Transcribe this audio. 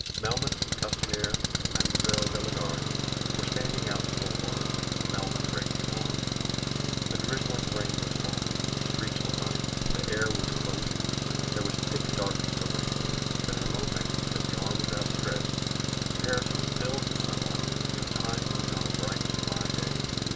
Melmoth, Castanier, and Mme. de la Garde were standing out in the Boulevard when Melmoth raised his arm. A drizzling rain was falling, the streets were muddy, the air was close, there was thick darkness overhead; but in a moment, as the arm was outstretched, Paris was filled with sunlight; it was high noon on a bright July day.